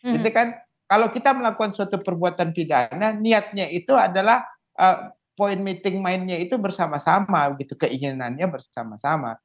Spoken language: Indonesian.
jadi kan kalau kita melakukan suatu perbuatan pidana niatnya itu adalah poin meeting mainnya itu bersama sama gitu keinginannya bersama sama